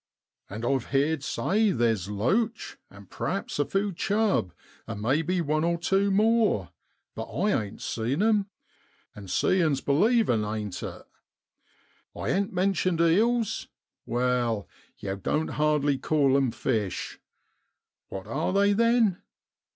And I've heerd say theer's loach, and p'raps a few chub, an' maybe one or tew more, but I ain't seen 'em. An' seein's believin', ain't it? I ain't mentioned eels? Wai, yow doan't hardly call 'em fish. What are they, then